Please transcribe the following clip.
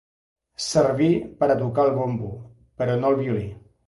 Servir per a tocar el bombo, però no el violí.